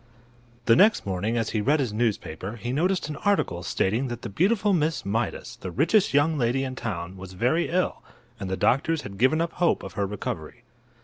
The next morning, as he read his newspaper, he noticed an article stating that the beautiful Miss Mydas, the richest young lady in town, was very ill, and the doctors had given up hope of her recovery.